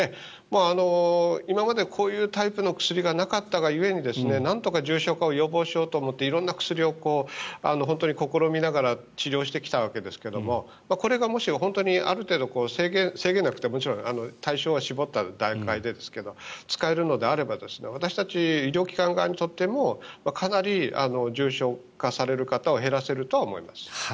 今までこういうタイプの薬がなかったが故になんとか重症化を予防しようと思って色んな薬を試みながら治療してきたわけですけれどもこれがもし本当にある程度制限なくというのはもちろん対象は絞った段階ですが使えるのであれば私たち医療機関側にとってもかなり重症化される方を減らせるとは思います。